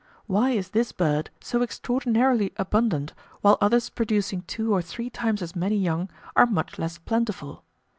Why is this bird so extraordinarily abundant, while others producing two or three times as many young are much less plentiful?